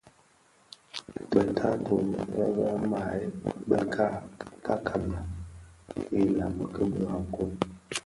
Be taatôh be be mahebe bë ka kabiya bi ilami ki birakoň.